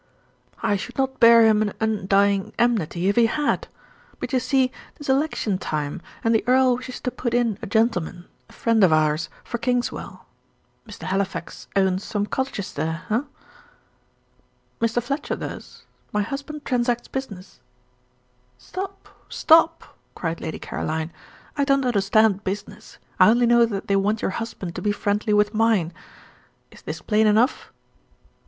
"I should not bear him an undying enmity if he had. But you see, 'tis election time, and the earl wishes to put in a gentleman, a friend of ours, for Kingswell. Mr. Halifax owns some cottages there, eh?" "Mr. Fletcher does. My husband transacts business " "Stop! stop!" cried Lady Caroline. "I don't understand business; I only know that they want your husband to be friendly with mine. Is this plain enough?"